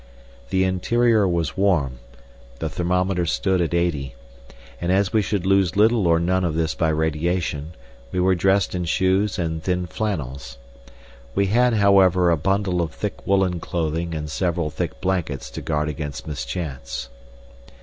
The interior was warm, the thermometer stood at eighty, and as we should lose little or none of this by radiation, we were dressed in shoes and thin flannels. We had, however, a bundle of thick woollen clothing and several thick blankets to guard against mischance.